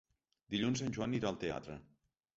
Dilluns en Joan irà al teatre.